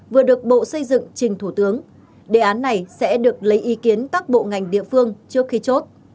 hai nghìn ba mươi vừa được bộ xây dựng trình thủ tướng đề án này sẽ được lấy ý kiến các bộ ngành địa phương trước khi chốt